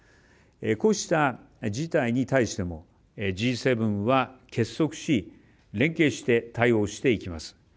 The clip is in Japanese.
こうした事態に対してもＧ７は結束し連携して対応していきます。